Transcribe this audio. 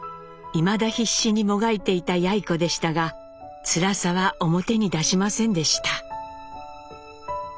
いまだ必死にもがいていたやい子でしたがつらさは表に出しませんでした。